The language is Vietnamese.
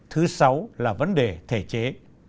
thứ sáu là vấn đề thể chế